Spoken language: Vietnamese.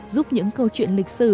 giúp những câu chuyện lịch sử